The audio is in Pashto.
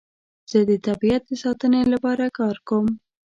زه د طبیعت د ساتنې لپاره کار کوم.